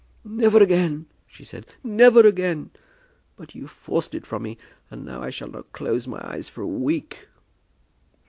"Never again," she said; "never again! But you forced it from me, and now I shall not close my eyes for a week."